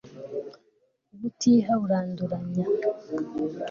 ubutiha buranduranya